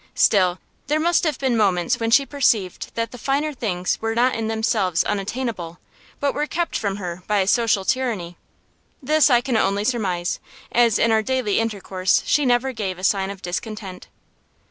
Still, there must have been moments when she perceived that the finer things were not in themselves unattainable, but were kept from her by a social tyranny. This I can only surmise, as in our daily intercourse she never gave a sign of discontent.